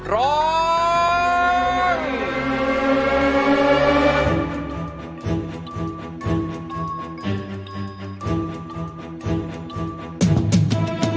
ร้อง